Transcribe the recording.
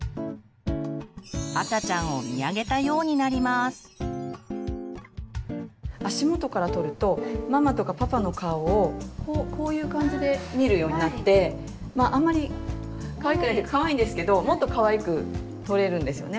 赤ちゃんを足元から撮るとママとかパパの顔をこういう感じで見るようになってまああんまりかわいくないというかかわいいんですけどもっとかわいく撮れるんですよね。